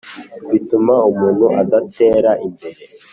bituma umuntu adatera imbere